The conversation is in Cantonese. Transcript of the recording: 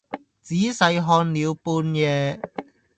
仔細看了半夜，